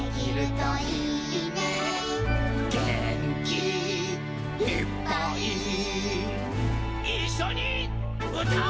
「げんきいっぱい」「いっしょにうたおう！」